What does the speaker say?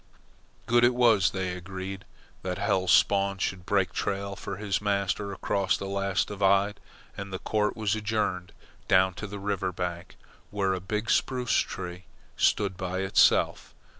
Good it was, they agreed, that Hell's Spawn should break trail for his master across the last divide, and the court was adjourned down to the river bank, where a big spruce tree stood by itself.